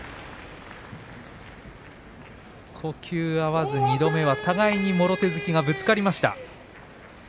呼吸合わずに、２度目は互いにもろ手突きがぶつかりました。